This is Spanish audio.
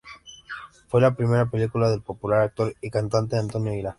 Fue la primera película del popular actor y cantante Antonio Aguilar.